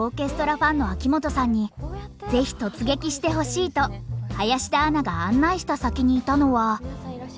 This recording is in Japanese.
ファンの秋元さんに是非突撃してほしいと林田アナが案内した先にいたのは。